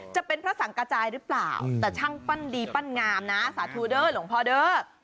จะเป็นพระสังกระจายหรือเปล่าแต่ช่างปั้นดีปั้นงามนะสาธุเด้อหลวงพ่อเด้อ